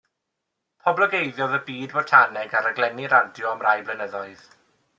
Poblogeiddiodd y byd botaneg ar raglenni radio am rai blynyddoedd.